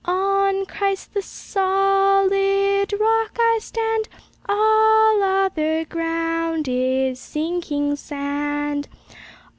On Christ, the solid Rock, I stand, All other ground is sinking sand.